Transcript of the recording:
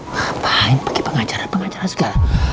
ngapain pake pengacara pengacara suka